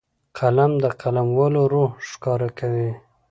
قلم د قلموالو روح ښکاره کوي